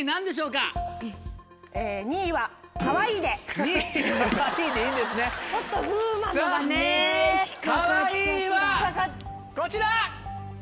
「かわいい」はこちら！